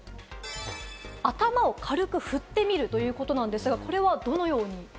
頭を軽く振ってみるということなんですが、これはどのように？